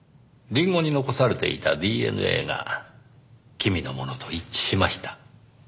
りんごに残されていたＤＮＡが君のものと一致しました。